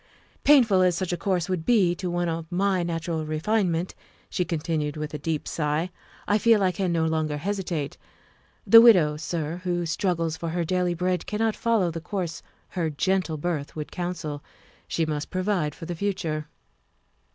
" Painful as such a course would be to one of my natural refinement," she continued with a deep sigh, " I feel I can no longer hesitate. The widow, sir, who struggles for her daily bread cannot follow the course her gentle birth would counsel, she must provide for the future."